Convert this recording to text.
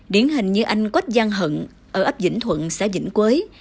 điển hình như anh quách giang hận ở ấp vĩnh thuận xã vĩnh quế